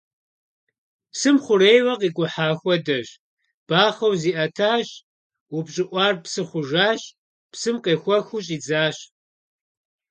Псым хъурейуэ къикӀухьа хуэдэщ: бахъэу зиӀэтащ, упщӀыӀуар псы хъужащ, псым къехуэхыу щӀидзащ.